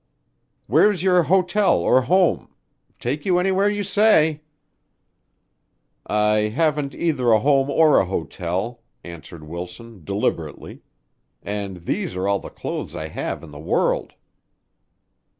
"Where's your hotel or home? Take you anywhere you say." "I haven't either a home or a hotel," answered Wilson, deliberately. "And these are all the clothes I have in the world."